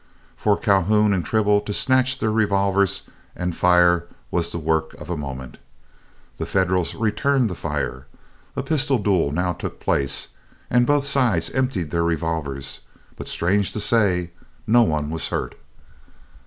For Calhoun and Tribble to snatch their revolvers and fire was the work of a moment. The Federals returned the fire. A pistol duel now took place, and both sides emptied their revolvers, but strange to say, no one was hurt.